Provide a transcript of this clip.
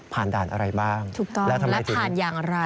ผ่านด่านอะไรบ้างแล้วทำไมถึงถูกต้องแล้วผ่านอย่างไร